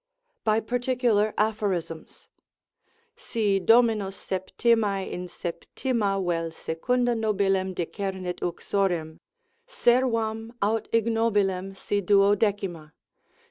by particular aphorisms, Si dominus 7mae in 7ma vel secunda nobilem decernit uxorem, servam aut ignobilem si duodecima.